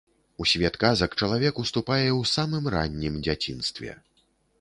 У свет казак чалавек уступае ў самым раннім дзяцінстве.